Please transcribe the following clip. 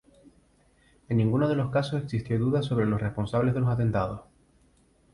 En ninguno de los casos existió dudas sobre los responsables de los atentados.